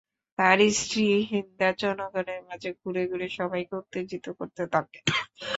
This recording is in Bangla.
তার স্ত্রী হিন্দা জনগণের মাঝে ঘুরে ঘুরে সবাইকে উত্তেজিত করতে থাকে।